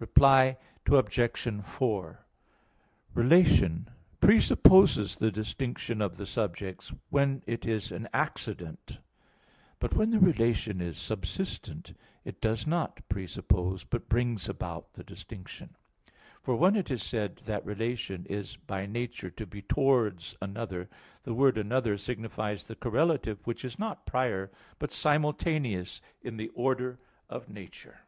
Reply Obj. 4: Relation presupposes the distinction of the subjects, when it is an accident; but when the relation is subsistent, it does not presuppose, but brings about distinction. For when it is said that relation is by nature to be towards another, the word "another" signifies the correlative which is not prior, but simultaneous in the order of nature.